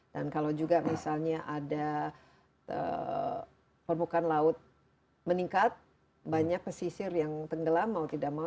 dan kalau juga misalnya ada permukaan laut meningkat banyak pesisir yang tenggelam mau tidak mau